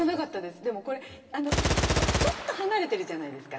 でもこれちょっと離れてるじゃないですか。